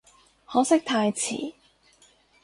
可惜太遲